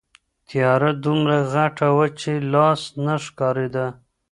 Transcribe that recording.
تیاره دومره غټه وه چې لاس نه ښکارېده.